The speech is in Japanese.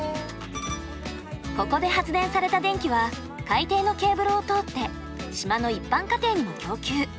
ここで発電された電気は海底のケーブルを通って島の一般家庭にも供給。